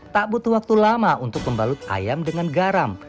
tak butuh waktu lama untuk membalut ayam dengan garam